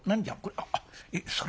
「あっそれ